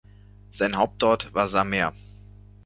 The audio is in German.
Sein Hauptort war Samer.